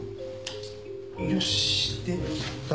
よしできた。